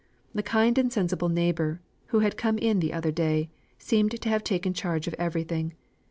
The kind and sensible neighbour, who had come in the other day, seemed to have taken charge of everything.